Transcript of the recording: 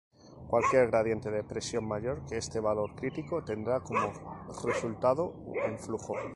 Cualquier gradiente de presión mayor que este valor crítico tendrá como resultado en flujo.